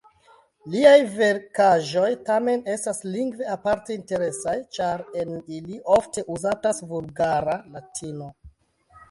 Liaj verkaĵoj tamen estas lingve aparte interesaj, ĉar en ili ofte uzatas vulgara latino.